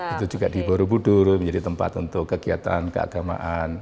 itu juga di borobudur menjadi tempat untuk kegiatan keagamaan